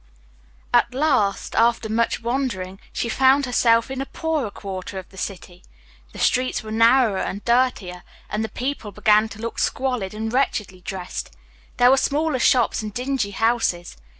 At last, after much wandering, she found herself in a poorer quarter of the city; the streets were narrower and dirtier, and the people began to look squalid and wretchedly dressed; there were smaller shops and dingy houses.